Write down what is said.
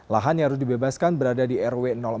lahan yang harus dibebaskan berada di rw empat